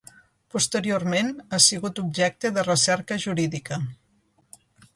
Posteriorment, ha sigut objecte de recerca jurídica.